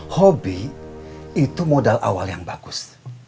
hobi itu modal awal yang bagus